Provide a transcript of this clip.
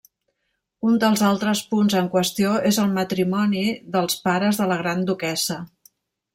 Un dels altres punt en qüestió és el matrimoni dels pares de la gran duquessa.